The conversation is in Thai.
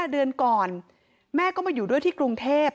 ๕เดือนก่อนแม่ก็มาอยู่ด้วยที่กรุงเทพ